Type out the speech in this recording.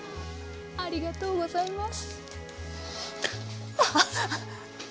ありがとうございます。